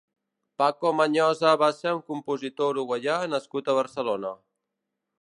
Paco Mañosa va ser un compositor uruguaià nascut a Barcelona.